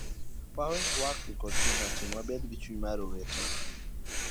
wabed motang' gi mbuakni gi chuny matin to wabed gi chuny mar owete